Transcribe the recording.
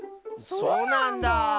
そうなんだあ。